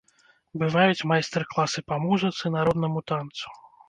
Бываюць майстар-класы па музыцы, народнаму танцу.